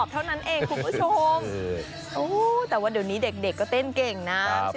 ใช่